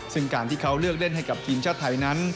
ซึ่งการที่เขาเลือกเล่นให้กับทีมชาติไทยนั้น